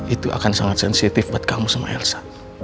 itu akan sangat sensitif buat kamu sama elsa